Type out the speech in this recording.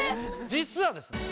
実はですね